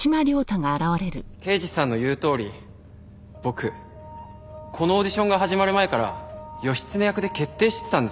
刑事さんの言うとおり僕このオーディションが始まる前から義経役で決定してたんですよ。